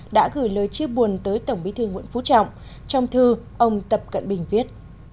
đã gửi lời chia buồn tới tổng bí thư nguyễn phú trọng trong thư ông tập cận bình viết